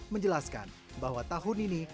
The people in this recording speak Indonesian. menjelaskan bahwa tahun ini